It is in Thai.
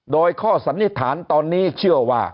โดยข้อสันนิษฐานตอนนี้เชื่อว่า